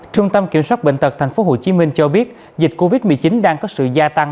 trung tâm kiểm soát bệnh tật tp hcm cho biết dịch covid một mươi chín đang có sự gia tăng